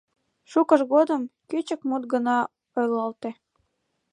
Шукыж годым кӱчык мут гына ойлалте.